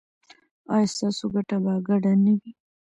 ایا ستاسو ګټه به ګډه نه وي؟